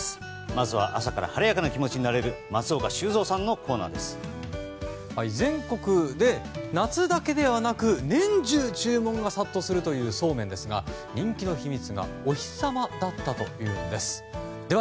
まずは朝から晴れやかな気持ちになれる全国で夏だけではなく年中注文が殺到するというそうめんですが人気の秘密がお日様だったというんです。